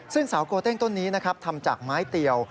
ซึ่งสาวโกเต้งต้นนี้นะครับทำจากไม้เตียว